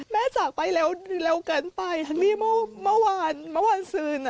แม่จากไปเร็วเกินไปมาวานซื้น